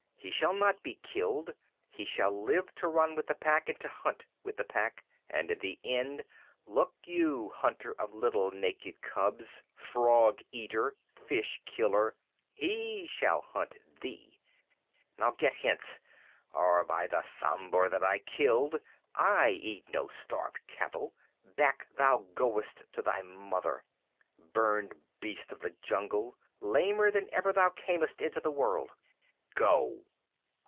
He shall not be killed. He shall live to run with the Pack and to hunt with the Pack; and in the end, look you, hunter of little naked cubs frog eater fish killer he shall hunt thee! Now get hence, or by the Sambhur that I killed (I eat no starved cattle), back thou goest to thy mother, burned beast of the jungle, lamer than ever thou camest into the world! Go!"